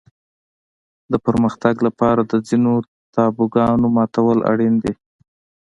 د پرمختګ لپاره د ځینو تابوګانو ماتول اړین دي.